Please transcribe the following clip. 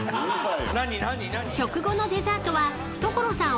［食後のデザートは所さん